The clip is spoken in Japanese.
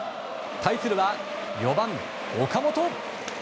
対するは４番、岡本。